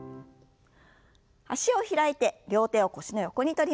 脚を開いて両手を腰の横に取りましょう。